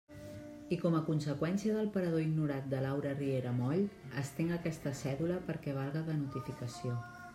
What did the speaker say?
I com a conseqüència del parador ignorat de Laura Riera Moll, estenc aquesta cèdula perquè valga de notificació.